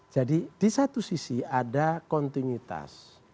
jadi di satu sisi ada kontinuitas